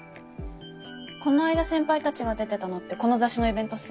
この間先輩たちが出てたのってこの雑誌のイベントっすよね？